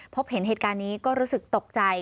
พบเห็นเหตุการณ์นี้ก็รู้สึกตกใจ